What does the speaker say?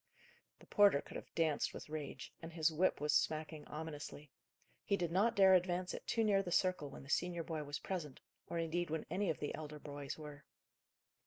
The porter could have danced with rage; and his whip was smacking ominously. He did not dare advance it too near the circle when the senior boy was present, or indeed, when any of the elder boys were.